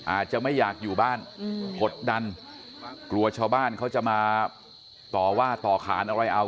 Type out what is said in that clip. อาจจะไม่อยากอยู่บ้านกดดันกลัวชาวบ้านเขาจะมาต่อว่าต่อขานอะไรเอา